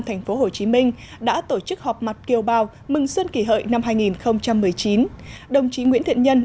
tp hcm đã tổ chức họp mặt kiều bào mừng xuân kỷ hợi năm hai nghìn một mươi chín đồng chí nguyễn thiện nhân